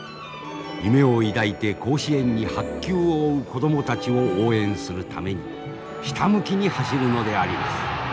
夢を抱いて甲子園に白球を追う子供たちを応援するためにひたむきに走るのであります。